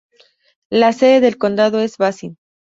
La sede del condado es Basin.